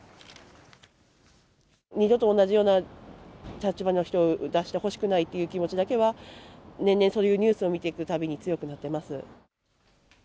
二度と同じような立場の人を出してほしくないという気持ちだけは、年々、そういうニュースを見ていくたびに強くなってます。